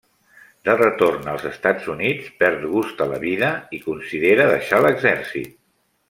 De retorn als Estats Units, perd gust a la vida i considera deixar l'exèrcit.